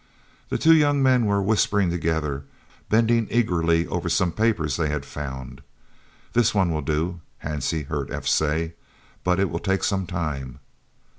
The two young men were whispering together, bending eagerly over some papers they had found. "This one will do," Hansie heard F. say, "but it will take some time."